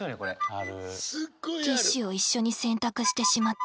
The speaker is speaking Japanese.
ティッシュを一緒に洗濯してしまった。